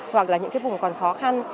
hoặc là những vùng còn khó khăn